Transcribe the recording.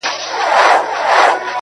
څه ووایم چي یې څرنګه آزار کړم؛